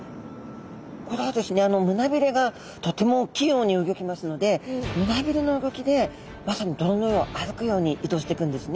これはですね胸びれがとても器用にうギョきますので胸びれの動きでまさに泥の上を歩くように移動していくんですね。